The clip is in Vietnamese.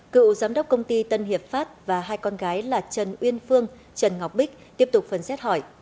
cựu giám đốc công ty tân hiệp pháp và hai con gái là trần uyên phương trần ngọc bích tiếp tục phần xét hỏi